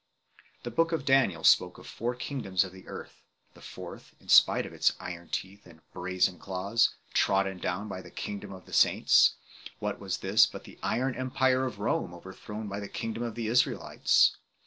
The book of Daniel spoke of four kingdoms of the earth, the fourth, in spite of its iron teeth and brazen claws, trodden down by the kingdom of the saints : what was this but the iron empire of Rome, over thrown by the kingdom of the Israelites 1